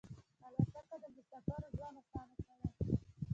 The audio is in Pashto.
الوتکه د مسافرو ژوند اسانه کړی.